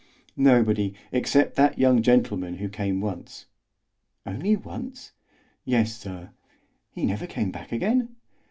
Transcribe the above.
"Nobody, except that young gentleman who came once." "Only once?" "Yes, sir." "He never came back again?"